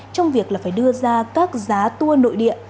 trong việc là phải đưa ra các giá tour nội địa